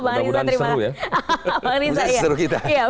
udah mudah seru ya